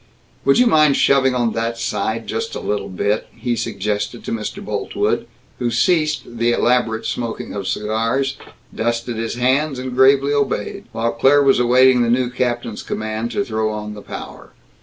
"Would you mind shoving on that side, just a little bit?" he suggested to Mr. Boltwood, who ceased the elaborate smoking of cigars, dusted his hands, and gravely obeyed, while Claire was awaiting the new captain's command to throw on the power.